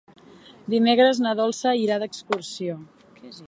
Dimecres na Dolça irà d'excursió.